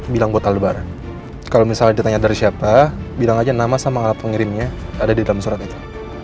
bilang buat alat lebaran kalau misalnya ditanya dari siapa bilang aja nama sama alat pengirimnya ada di dalam surat itu